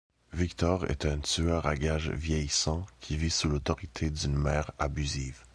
Victor est un tueur à gages vieillissant qui vit sous l'autorité d'une mère abusive.